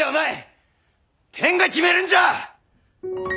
天が決めるんじゃ！